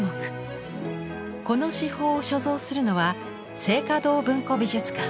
この至宝を所蔵するのは静嘉堂文庫美術館。